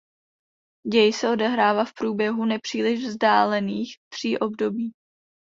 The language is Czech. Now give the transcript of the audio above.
Děj se odehrává v průběhu nepříliš vzdálených tří období.